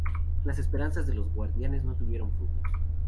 Las esperanzas de los Guardianes no tuvieron frutos.